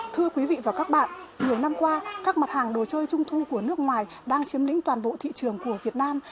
thưa quý vị và các bạn nhiều năm qua các mặt hàng đồ chơi trung thu của nước ngoài đang chiếm lĩnh toàn bộ thị trường của việt nam